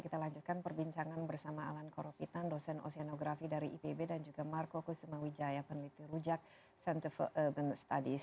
kita lanjutkan perbincangan bersama alan koropitan dosen oseanografi dari ipb dan juga marco kusuma wijaya peneliti rujak center for urban studies